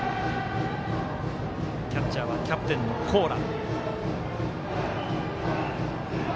キャッチャーはキャプテンの高良。